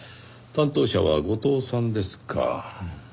担当者は後藤さんですか。